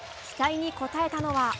期待に応えたのは。